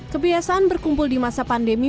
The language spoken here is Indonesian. kebiasaan berkumpul di masa pandemi